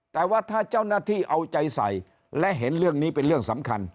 แต่ว่าถ้าเจ้าหน้าที่เอาใจใส่และเห็นเรื่องนี้เป็นเรื่องสำคัญ